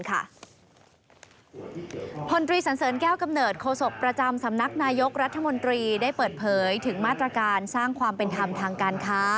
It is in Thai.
ตรีสันเสริญแก้วกำเนิดโคศกประจำสำนักนายกรัฐมนตรีได้เปิดเผยถึงมาตรการสร้างความเป็นธรรมทางการค้า